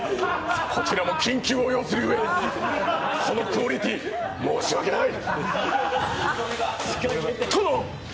こちらも緊急を要するうえそのクオリティー申し訳ない。